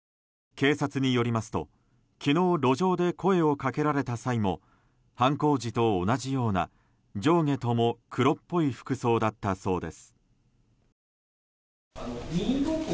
警察によりますと昨日、路上で声をかけられた際も犯行時と同じような、上下とも黒っぽい服装だったそうです。